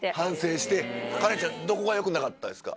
カレンちゃんどこが良くなかったですか？